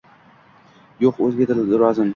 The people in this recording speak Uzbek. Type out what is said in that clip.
Yo’q o’zga dil rozim